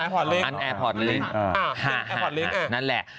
ข้างหน้านั้นแหละ